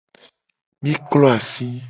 Mi klo asi.